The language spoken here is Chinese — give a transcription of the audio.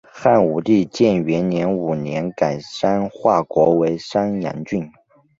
汉武帝建元五年改山划国为山阳郡。